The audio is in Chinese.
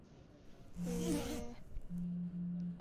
所以档案上锁功能带来的功效与副作用一直饱受争议。